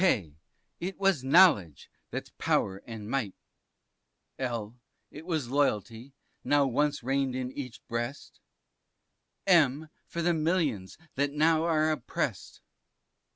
K it was Knowledge, that's power and might. L it was Loyalty, that once reigned in each breast, M was the Millions that now are oppress'd.